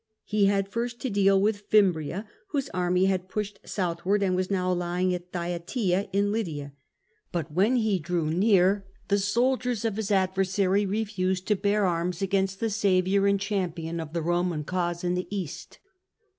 He had first to deal with Fimbria, whose army had pushed south ward and was now lying at Thyatira, in Lydia; hut when he drew near, the soldiers of his adversary refused to bear arms against the saviour and champion of the Eoman cause in the East.